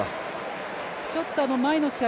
ちょっと前の試合